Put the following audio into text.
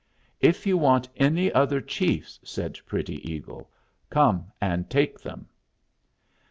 "If you want any other chiefs," said Pretty Eagle, "come and take them."